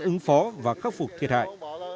ứng phó và khắc phục thiệt hại